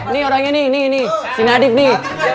nih orangnya nih nih si nadif nih